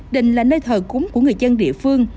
đình là nơi thờ cúng của người dân địa phương